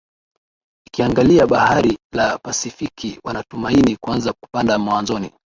ikiangalia Bahari la Pasifiki Wanatumaini kuanza kupanda mwanzoni